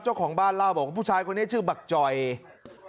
เจ้าของบ้านเล่าบอกว่าผู้ชายคนนี้ชื่อบักจ่อย